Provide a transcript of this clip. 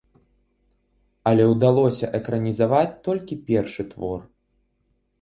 Але ўдалося экранізаваць толькі першы твор.